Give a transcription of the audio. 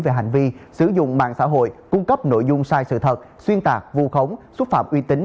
về hành vi sử dụng mạng xã hội cung cấp nội dung sai sự thật xuyên tạc vù khống xúc phạm uy tín